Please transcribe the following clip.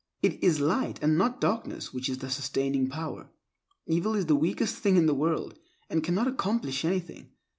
It is light, and not darkness which is the sustaining power. Evil is the weakest thing in the world, and cannot accomplish anything.